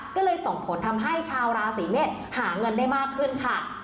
ก็เลยส่งผลทำให้ชาวราศีเมษหาเงินได้มากขึ้นค่ะ